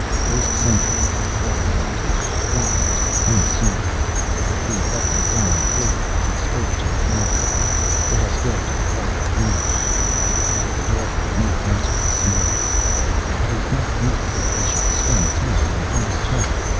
"Post sentries," ordered Dandtan. "The Black Ones will come soon." He beckoned Garin forward as he spoke to Thrala: "Let us go to the Hall of Thrones." But the Daughter did not answer his smile. "It is not meet that we should spend time in idle talk.